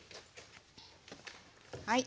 はい。